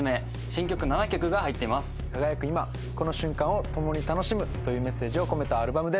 輝く今この瞬間を共に楽しむというメッセージを込めたアルバムです。